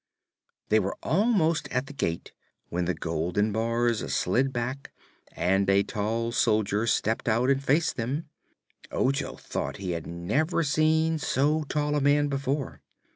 They were almost at the gate when the golden bars slid back and a tall soldier stepped out and faced them. Ojo thought he had never seen so tall a man before.